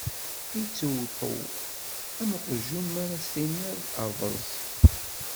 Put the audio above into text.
Iṭṭewṭew am uqjun mi ara s tiniḍ: ṛṛeẓ!